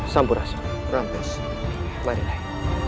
sampuras rampus marilai